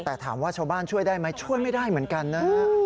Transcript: แต่ถามว่าชาวบ้านช่วยได้ไหมช่วยไม่ได้เหมือนกันนะฮะ